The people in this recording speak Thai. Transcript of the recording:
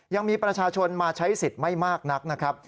ยังมีประชาชนมาใช้สิทธิ์ไม่มากนักนะครับ